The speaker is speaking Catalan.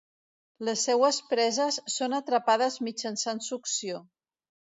Les seues preses són atrapades mitjançant succió.